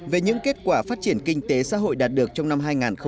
về những kết quả phát triển kinh tế xã hội đạt được trong năm hai nghìn một mươi tám